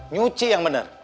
nyuci yang bener